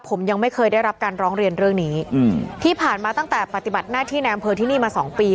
ผมยังไม่เคยได้รับการร้องเรียนเรื่องนี้อืมที่ผ่านมาตั้งแต่ปฏิบัติหน้าที่ในอำเภอที่นี่มาสองปี